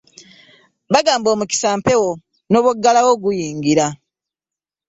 Bagamba omukisa mpewo ne bw'oggalawo guyingira.